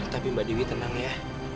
tapi mbak dewi tenang ya